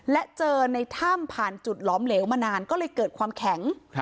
และเจอในถ้ำผ่านจุดหลอมเหลวมานานก็เลยเกิดความแข็ง